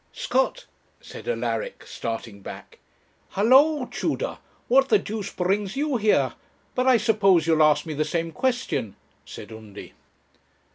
'Scott!' said Alaric, starting back. 'Hallo, Tudor, what the deuce brings you here? but I suppose you'll ask me the same question?' said Undy.